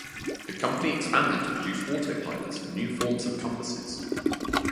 The company expanded to produce autopilots and new forms of compasses.